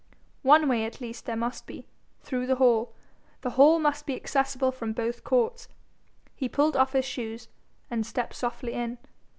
One way at least there must be through the hall: the hall must be accessible from both courts. He pulled off his shoes, and stepped softly in.